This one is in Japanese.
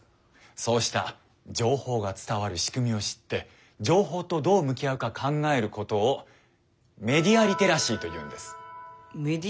そうした情報が伝わるしくみを知って情報とどう向き合うか考えることをメディア・リテラシー？